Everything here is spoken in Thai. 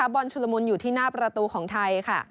ชุลมุนอยู่ที่หน้าประตูของไทย